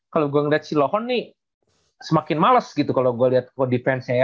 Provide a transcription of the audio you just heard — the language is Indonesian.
kalau gue ngeliat cilohon nih semakin males gitu kalau gue lihat defense nya ya